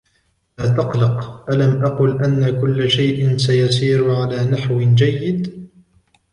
لا تقلق. ألم أقل أن كل شئ سيسيرعلى نحو جيد.